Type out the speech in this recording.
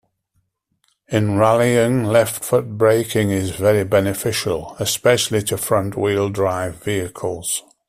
In rallying left-foot braking is very beneficial, especially to front-wheel drive vehicles.